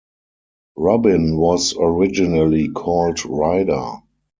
Robin was originally called Ryder.